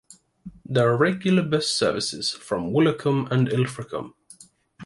There are regular bus services from Woolacombe and Ilfracombe.